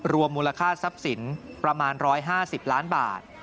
รวมมูลค่าทรัพย์สินประมาณ๑๕๐ล้านบาท